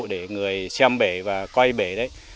để người xem bể và coi bể đấy